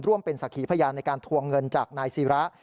เป็นสักขีพยานในการทวงเงินจากนายศิระ